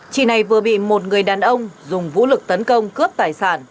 chị này vừa bị một người đàn ông dùng vũ lực tấn công cướp tài sản